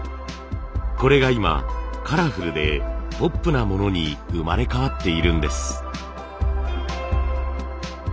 これが今カラフルでポップなものに生まれ変わっているんです。